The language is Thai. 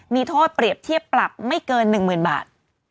มีโทษเปรียบเทียบปรับไม่เกิน๑๐๐๐บาท